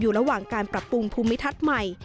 ระหว่างการปรับปรุงภูมิทัศน์ใหม่